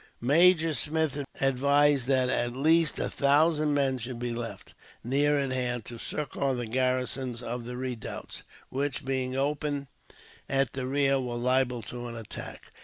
Major Smith advised that at least a thousand men should be left, near at hand, to succour the garrisons of the redoubts; which, being open at the rear, were liable to an attack.